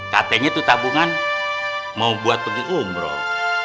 katanya tuh tabungan mau buat begitu umroh